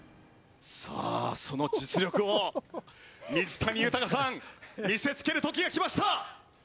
さあその実力を水谷豊さん見せつける時がきました！